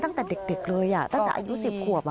ตั้งแต่เด็กเลยตั้งแต่อายุ๑๐ขวบ